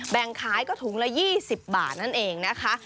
แบ่งขายก็ถุงละ๒๐บาทนั่นเองนะคะ